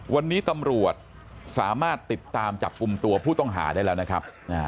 วันนี้ตำรวจสามารถติดตามจับกลุ่มตัวผู้ต้องหาได้แล้วนะครับ